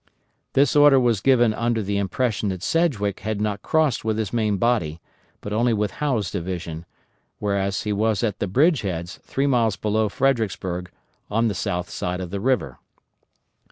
This order was given under the impression that Sedgwick had not crossed with his main body, but only with Howe's division, whereas he was at the bridge heads, three miles below Fredericksburg, on the south side of the river.